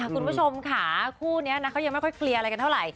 คุณผู้ชมค่ะคู่นี้นะเขายังไม่ค่อยเคลียร์อะไรกันเท่าไหร่